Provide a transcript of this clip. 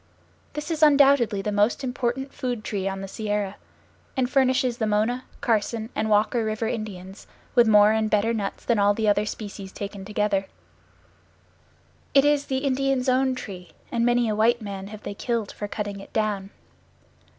This is undoubtedly the most important food tree on the Sierra, and furnishes the Mona, Carson, and Walker River Indians with more and better nuts than all the other species taken together. It is the Indian's own tree, and many a white man have they killed for cutting it down.